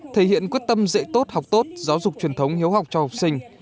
thầy hiện quyết tâm dễ tốt học tốt giáo dục truyền thống hiếu học cho học sinh